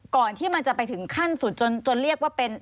ที่มันจะไปถึงขั้นสุดจนเรียกว่าเป็น